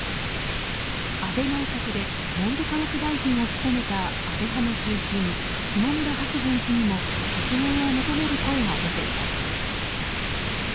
安倍内閣で文部科学大臣を務めた安倍派の重鎮・下村博文氏にも説明を求める声が出ています。